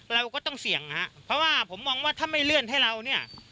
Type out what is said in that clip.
เราก็ต้องเสี่ยงนะครับเพราะว่าผมมองว่าถ้าไม่เลื่อนให้เราเนี่ย